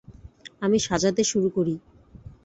আমি সাজাতে শুরু করি।